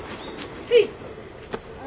はい。